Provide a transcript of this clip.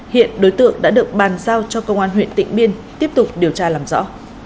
hiện đối tượng đã được bàn giao cho công an huyện tịnh biên tiếp tục điều tra làm rõ